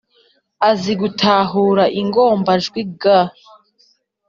azi gutahura ingombajwi g,